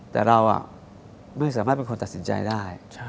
แต่เราไม่สามารถเป็นคนตัดสินใจได้